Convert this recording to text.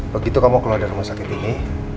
begitu kamu keluar dari rumah sakit ini